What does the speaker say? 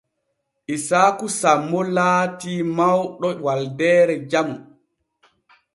Isaaku sammo laati mawɗo waldeere jamu.